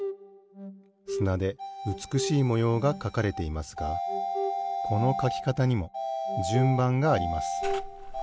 すなでうつくしいもようがかかれていますがこのかきかたにもじゅんばんがあります。